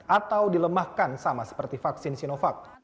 atau dilemahkan sama seperti vaksin sinovac